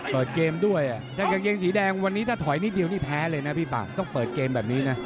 เปิดเกมด้วยแต่กับเกงสีแตงวันนี้ถอยนิดเดียวแพ้เลยนะพี่ป่า